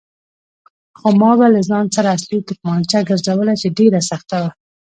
خو ما به له ځان سره اصلي تومانچه ګرځوله چې ډېره سخته وه.